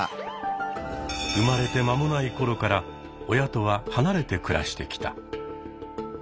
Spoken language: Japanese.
生まれてまもない頃から親とは離れて暮らしてきた。